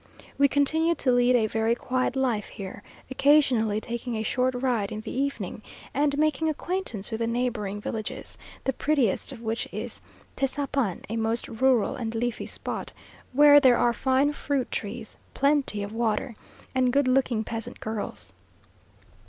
We continue to lead a very quiet life here, occasionally taking a short ride in the evening, and making acquaintance with the neighbouring villages, the prettiest of which is Tesapan, a most rural and leafy spot, where there are fine fruit trees, plenty of water, and good looking peasant girls.